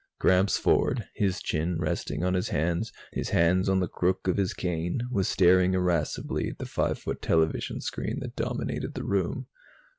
_ Gramps Ford, his chin resting on his hands, his hands on the crook of his cane, was staring irascibly at the five foot television screen that dominated the room.